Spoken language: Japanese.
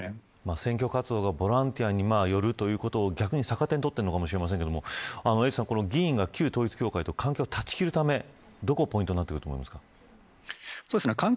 選挙活動がボランティアによるということを逆に、逆手に取っているかもしれませんが、エイトさん議員が旧統一教会と関係を断ち切るためどこがポイントになってくると思いますか。